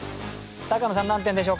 高野さん何点でしょうか？